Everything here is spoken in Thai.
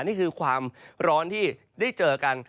นี่คือความร้อนที่ได้เจอกัน